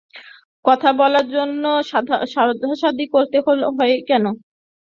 কথা বলার জন্যে সাধাসাধি করতে হল কই?